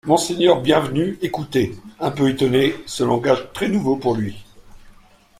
Monseigneur Bienvenu écoutait, un peu étonné, ce langage très nouveau pour lui.